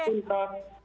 terima kasih pak